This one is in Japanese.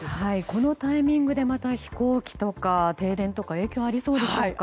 このタイミングでまた飛行機とか停電とか影響ありそうでしょうか。